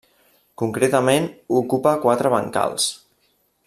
Concretament ocupa quatre bancals.